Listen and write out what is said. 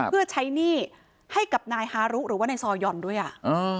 เพื่อใช้หนี้ให้กับนายฮารุหรือว่านายซอย่อนด้วยอ่ะ